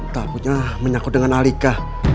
takutnya menyakut dengan alika